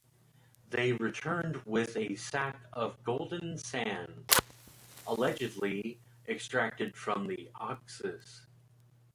They returned with a sack of golden sand, allegedly extracted from the Oxus.